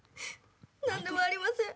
何でもありません。